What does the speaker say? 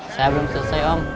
saya belum selesai om